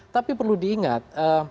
tapi perlu diingat